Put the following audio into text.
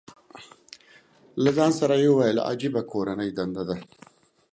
له ځان سره یې وویل، عجیبه کورنۍ دنده ده.